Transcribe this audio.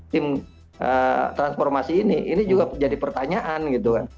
tim transformasi ini ini juga jadi pertanyaan gitu kan